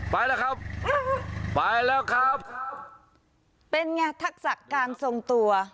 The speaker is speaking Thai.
ไปแล้วครับไปแล้วครับเป็นไงทักษะการทรงตัว